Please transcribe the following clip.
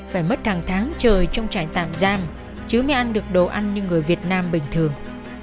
phải mất hàng tháng trời trong trại tạm giam chứ mới ăn được đồ ăn như người việt nam bình thường